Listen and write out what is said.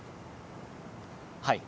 はい。